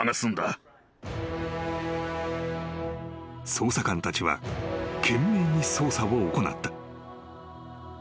［捜査官たちは懸命に捜査を行った］